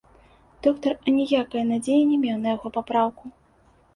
Доктар аніякае надзеі не меў на яго папраўку.